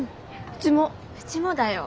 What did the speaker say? うちもだよ。